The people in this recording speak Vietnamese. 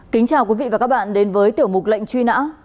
kính chào quý vị và các bạn đến với tiểu mục lệnh truy nã